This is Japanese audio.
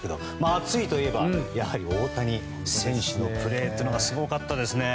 熱いといえばやはり大谷選手のプレーというのがすごかったですね。